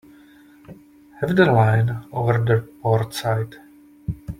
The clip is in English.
Heave the line over the port side.